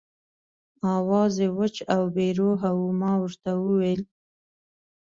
آواز یې وچ او بې روحه و، ما ورته وویل.